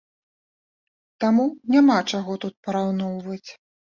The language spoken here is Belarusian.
Таму няма чаго тут параўноўваць.